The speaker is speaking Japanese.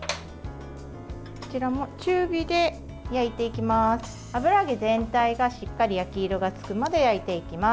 こちらも中火で焼いていきます。